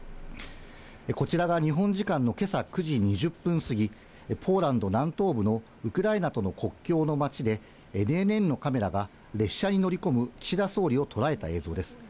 こちらが日本時間のけさ９時２０分過ぎ、ポーランド南東部のウクライナとの国境の街で、ＮＮＮのカメラが、列車に乗り込む岸田総理を捉えた映像です。